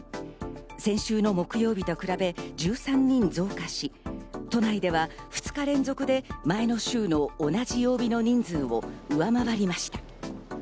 先週の木曜日と比べ１３人増加し、都内では２日連続で前の週の同じ曜日の人数を上回りました。